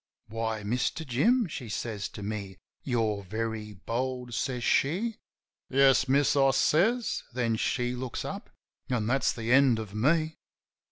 "Why, Mister Jim," she says to me. "You're very bold," says she. "Yes, miss," I says. Then she looks up — an' that's the end of me.